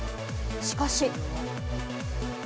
しかし。